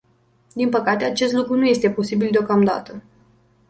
Din păcate, acest lucru nu este posibil deocamdată.